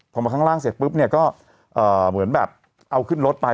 พอมาข้างล่างเสร็จปุ๊บเนี่ยก็เหมือนแบบเอาขึ้นรถไป